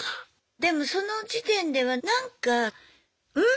でもその時点ではなんか「ん？」